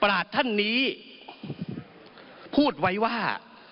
ราชท่านนี้พูดไว้ว่า